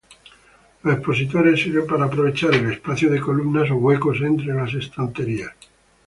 Los expositores sirven para aprovechar el espacio de columnas o huecos entre las estanterías.